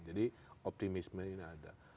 jadi optimisme ini ada